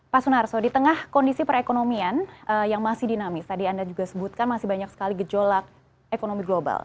pak sunarso di tengah kondisi perekonomian yang masih dinamis tadi anda juga sebutkan masih banyak sekali gejolak ekonomi global